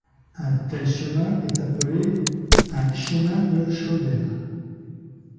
Un tel chemin est appelé un chemin de Schröder.